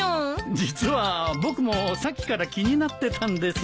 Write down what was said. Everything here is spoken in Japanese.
実は僕もさっきから気になってたんです。